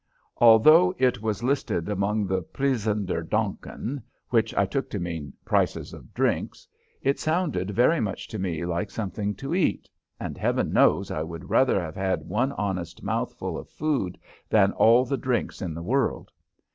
Although it was listed among the "Prizzen der dranken," which I took to mean "Prices of drinks," it sounded very much to me like something to eat, and Heaven knows I would rather have had one honest mouthful of food than all the drinks in the world.